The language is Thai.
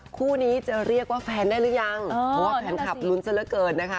คู่นี้จะเรียกว่าแฟนได้หรือยังเพราะว่าแฟนคลับลุ้นซะละเกินนะคะ